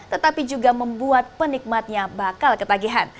tetapi juga membuat penikmatnya bakal ketagihan